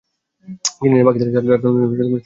তিনি ছিলেন পাকিস্তান ছাত্র ইউনিয়নের সাধারণ সম্পাদক।